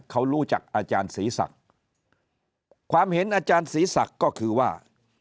เขารู้จักอาจารย์ศรีศักดิ์ความเห็นอาจารย์ศรีศักดิ์ก็คือว่า